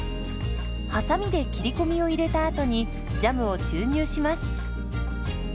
はさみで切り込みを入れたあとにジャムを注入します。